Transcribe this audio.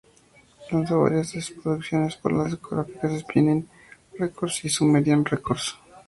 Lanzó varias de sus producciones por las discográficas Spinnin' Records y Sumerian Records.